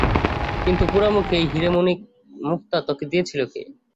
কিন্তু, পোড়ারমুখী, এই হীরে-মানিক-মুক্তো তোকে দিয়েছিল কে?